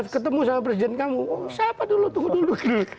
ketemu sama presiden kamu siapa dulu tunggu dulu